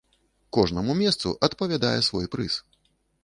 Кожнаму месцу адпавядае свой прыз.